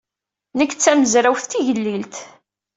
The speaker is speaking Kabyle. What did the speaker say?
Nekk d tamezrawt tigellilt.